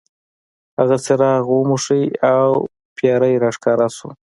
هغه څراغ وموښلو او پیری را ښکاره شو.